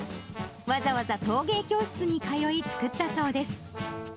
わざわざ陶芸教室に通い、作ったそうです。